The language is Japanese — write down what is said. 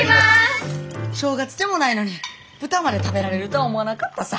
正月でもないのに豚まで食べられるとは思わなかったさ。